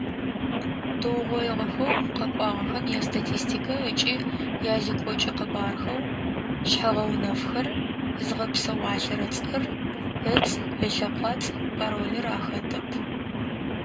Тыугъоигъэхэу къэкӏуагъэхэм ястатистикэ ыкӏи язекӏокӏэ къэбархэу шъхьэ-гъэунэфхэр: зыгъэпсэуалъэрэ-цӏэр, ыцӏ, ылъэкӏуацӏ, паролыр ахэтэп.